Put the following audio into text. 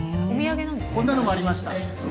こんなのもありました。